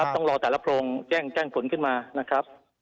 ต้องรอแต่ละโพรงแจ้งผลขึ้นมานะครับ